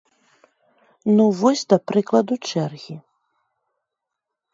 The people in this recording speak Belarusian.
Ну, вось, да прыкладу, чэргі.